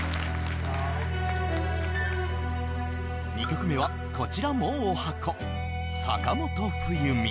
２曲目はこちらも十八番坂本冬美